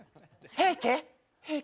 平家？